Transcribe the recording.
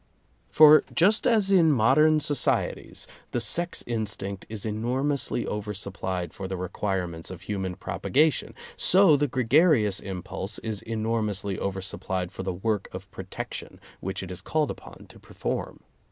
For just as in modern societies the sex instinct is enormously over supplied for the requirements of human propagation, so the gregarious impulse is enormously over supplied for the work of protec tion which it is called upon to perform.